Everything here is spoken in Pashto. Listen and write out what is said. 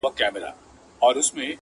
ځان د بل لپاره سوځول زده کړو؛